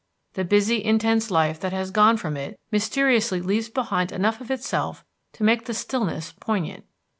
The busy, intense life that has gone from it mysteriously leaves behind enough of itself to make the stillness poignant.